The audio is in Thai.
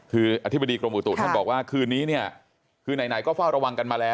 คืออธิบดีกรมอุตุท่านบอกว่าคืนนี้เนี่ยคือไหนก็เฝ้าระวังกันมาแล้ว